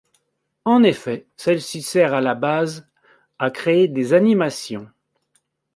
En effet, celle-ci sert à la base à créer des animations.